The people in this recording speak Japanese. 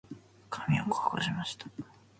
髪を乾かしました。